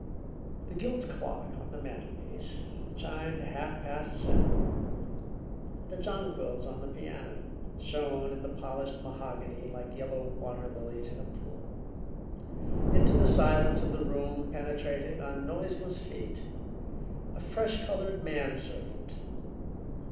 The gilt clock on the mantelpiece chimed half past seven. The jonquils on the piano shone in the polished mahogany like yellow water lilies in a pool. Into the silence of the room penetrated, on noiseless feet, a fresh colored man servant.